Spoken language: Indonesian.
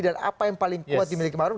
dan apa yang paling kuat dimiliki oleh ma'ruf